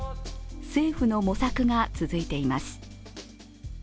政府の模索が続いています。